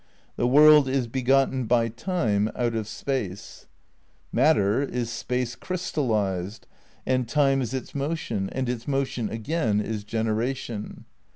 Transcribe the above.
"The world is begotten by Time out of Space." Mat ter is Space crystallised, and Time is its motion, and its motion, again, is generation.